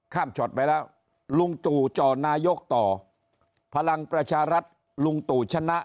ช็อตไปแล้วลุงตู่จ่อนายกต่อพลังประชารัฐลุงตู่ชนะ